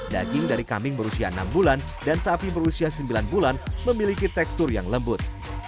daging dari kambing berusia enam bulan dan sapi berusia sembilan bulan memiliki tekstur yang lembut